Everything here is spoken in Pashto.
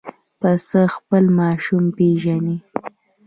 پسه خپل ماشوم پېژني.